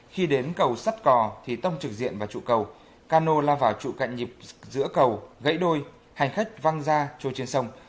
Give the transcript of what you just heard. khi đến cầu sắt cò thì tông trực diện vào trụ cầu cano lao vào trụ cạnh nhịp giữa cầu gãy đôi hành khách văng ra trôi trên sông